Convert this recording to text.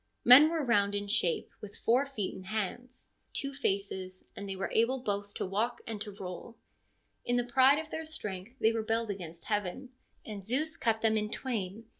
Men were round ii _hape, with four feet and hands, two faces, and they, were able both to walk and to roll. In the pride of .jeir strength they rebelled against heaven, and Zeus cut them in twain.